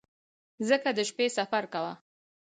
ځکه د شپې سفر کاوه.